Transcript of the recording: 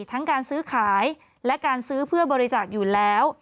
ทั้งการซื้อขายและการซื้อเพื่อบริจาคอยู่แล้ว